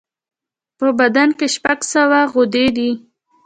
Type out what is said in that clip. په بدن شپږ سوه غدودي دي.